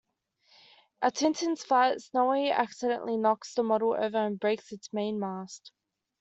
At Tintin's flat, Snowy accidentally knocks the model over and breaks its mainmast.